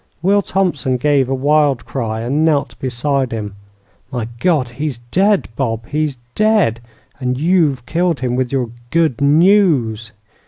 "Will Thompson gave a wild cry and knelt beside him. "'My God! he's dead, Bob, he's dead! and you've killed him with your good news!'